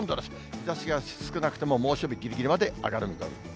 日ざしが少なくても猛暑日ぎりぎりまで上がる見込みです。